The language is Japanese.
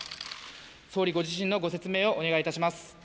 総理ご自身のご説明をお願いいたします。